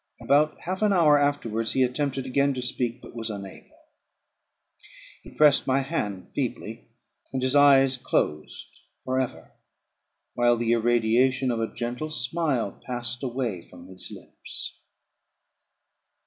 About half an hour afterwards he attempted again to speak, but was unable; he pressed my hand feebly, and his eyes closed for ever, while the irradiation of a gentle smile passed away from his lips.